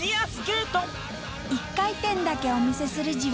１回転だけお見せするじわ。